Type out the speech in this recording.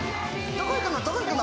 どこ行くの？